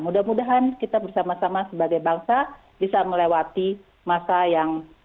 mudah mudahan kita bersama sama sebagai bangsa bisa melewati masa yang